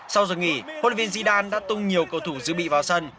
sau giờ nghỉ hlv zidane đã tung nhiều cầu thủ giữ bị vào sân